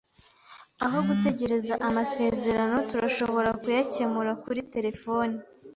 Aho gutegereza amasezerano, turashobora kuyakemura kuri terefone.